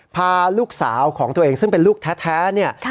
พาลูกสาวของตัวเองซึ่งเป็นลูกแท้เนี่ย